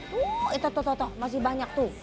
tuh itu tuh tuh tuh masih banyak tuh